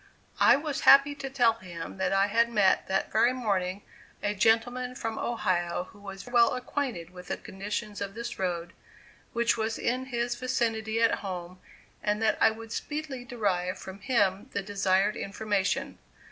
I was happy to tell him that I had met that very morning a gentleman from Ohio who was well acquainted with the condition of this road, which was in his vicinity at home, and that I would speedily derive from him the desired information.